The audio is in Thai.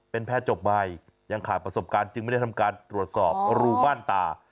เป็นแพทย์จบใหม่ยังขาดประสบการณ์จึงไม่ได้ทำการตรวจสอบรูม่านตา